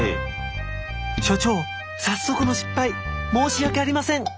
所長早速の失敗申し訳ありません！